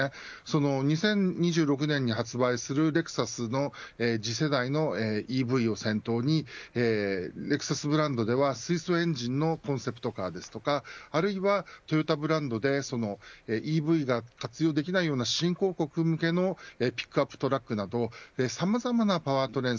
２０２６年に発売するレクサスの次世代のＥＶを先頭にレクサスブランドでは水素エンジンのコンセプトカーですとかあるいはトヨタブランドでＥＶが活用できないような新興国向けのピックアップトラックなどさまざまなパワートレイン